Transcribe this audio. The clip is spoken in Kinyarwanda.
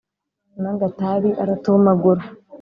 N'agatabi aratumagura